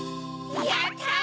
やった！